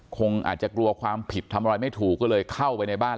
คงอาจจะกลัวความผิดทำอะไรไม่ถูกก็เลยเข้าไปในบ้าน